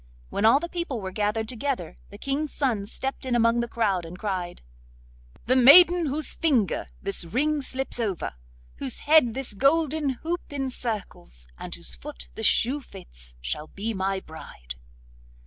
When all the people were gathered together, the King's son stepped in among the crowd and cried: 'The maiden whose finger this ring slips over, whose head this golden hoop encircles, and whose foot this shoe fits, shall be my bride.